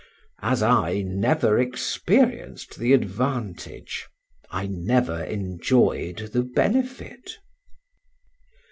As I never experienced the advantage, I never enjoyed the benefit.